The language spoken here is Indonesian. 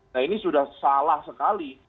nah ini sudah salah sekali